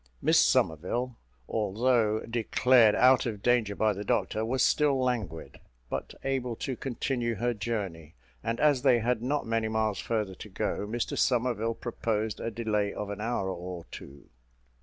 Miss Somerville, although declared out of danger by the doctor, was still languid, but able to continue her journey; and as they had not many miles further to go, Mr Somerville proposed a delay of an hour or two.